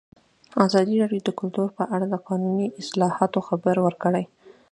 ازادي راډیو د کلتور په اړه د قانوني اصلاحاتو خبر ورکړی.